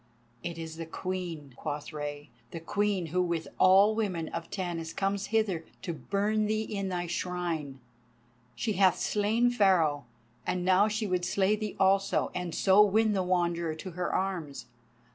"It is the Queen," quoth Rei; "the Queen who with all women of Tanis comes hither to burn thee in thy Shrine. She hath slain Pharaoh, and now she would slay thee also, and so win the Wanderer to her arms.